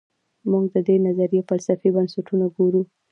موږ د دې نظریې فلسفي بنسټونه ګورو.